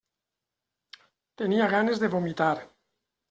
Tenia ganes de vomitar.